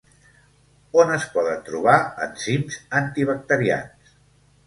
On es poden trobar enzims antibacterians?